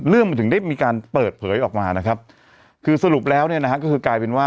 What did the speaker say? เรื่องมันถึงได้มีการเปิดเผยออกมานะครับคือสรุปแล้วเนี่ยนะฮะก็คือกลายเป็นว่า